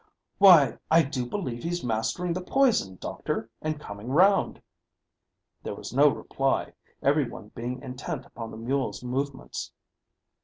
"Why, I do believe he's mastering the poison, doctor, and coming round." There was no reply, every one being intent upon the mule's movements.